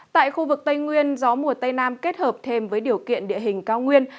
tại khu vực tây nguyên gió mùa tây nam kết hợp thêm với điều kiện địa hình cao nguyên